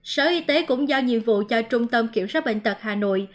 sở y tế cũng giao nhiệm vụ cho trung tâm kiểm soát bệnh tật hà nội